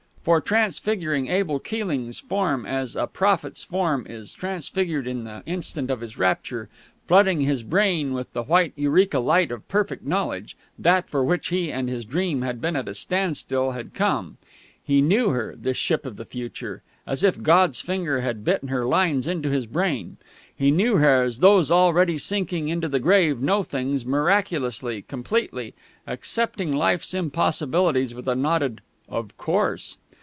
"_ For, transfiguring Abel Reeling's form as a prophet's form is transfigured in the instant of his rapture, flooding his brain with the white eureka light of perfect knowledge, that for which he and his dream had been at a standstill had come. He knew her, this ship of the future, as if God's Finger had bitten her lines into his brain. He knew her as those already sinking into the grave know things, miraculously, completely, accepting Life's impossibilities with a nodded "Of course."